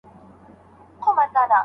د مور منظم وقفه ستړيا کموي.